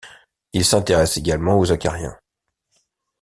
Il s’intéresse également aux acariens.